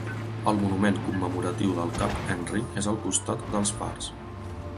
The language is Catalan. El monument commemoratiu del cap Henry és al costat dels fars.